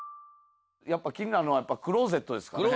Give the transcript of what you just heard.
やっぱ気になるのはクローゼットやね。